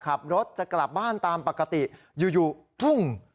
ขับรถจะกลับบ้านตามปกติอยู่กุ้ง